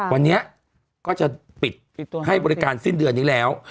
วันนี้ก็จะปิดให้บริการสิ้นเดือนนี้แล้ว